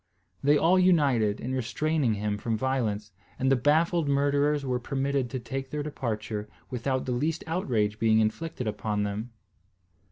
They all united in restraining him from violence; and the baffled murderers were permitted to take their departure without the least outrage being inflicted upon them.